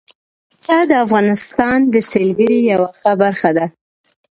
پسه د افغانستان د سیلګرۍ یوه ښه برخه ده.